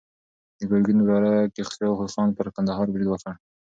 د ګرګین وراره کیخسرو خان پر کندهار برید وکړ.